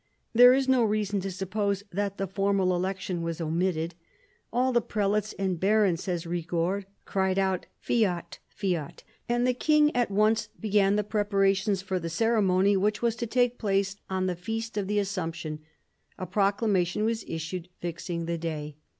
There is no reason to suppose that the formal election was omitted. All the prelates and barons, says Eigord, cried out "Fiat, fiat," and the king at once began the preparations for ii THE BEGINNINGS OF PHILIP'S POWER 19 the ceremony, which was to take place on the Feast of the Assumption. A proclamation was issued fixing the day.